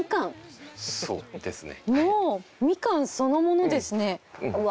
もうみかんそのものですねうわ。